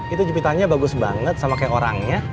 itu jepitannya bagus banget sama kayak orangnya